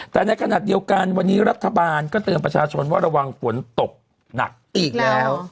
แต่ในขณะเดียวกันวันนี้รัฐบาลก็เตือนประชาชนว่าระวังฝนตกหนักอีกแล้ว